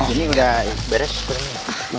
ini udah beres kuenya